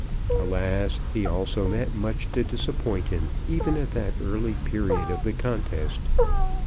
Alas, he, also, met much to disappoint him even at that early period of the contest.